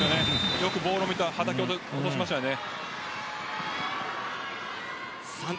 よくボールをたたき落としましたよね。